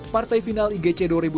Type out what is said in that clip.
partai final igc dua ribu dua puluh